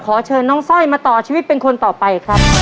ขอเชิญน้องสร้อยมาต่อชีวิตเป็นคนต่อไปครับ